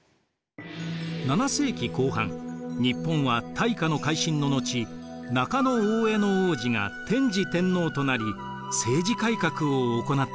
７世紀後半日本は大化の改新の後中大兄皇子が天智天皇となり政治改革を行っていました。